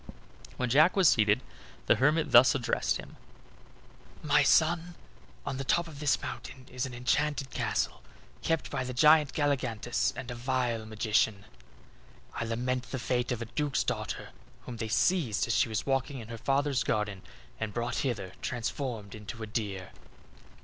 When Jack was seated the hermit thus addressed him: "My son, on the top of this mountain is an enchanted castle, kept by the giant Galligantus and a vile magician. I lament the fate of a duke's daughter, whom they seized as she was walking in her father's garden, and brought hither transformed into a deer."